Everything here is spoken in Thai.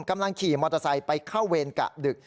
กำลังขี่มอเตอร์ไซค์ไปเข้าเวรกะดึก